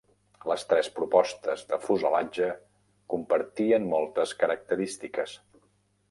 Les tres propostes de fuselatge compartien moltes característiques.